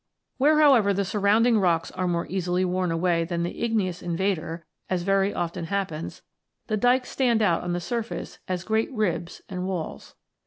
Where, however, the surrounding rocks are more easily worn away than the igneous invader, as very often happens, the dykes stand out on the surface as great ribs and walls.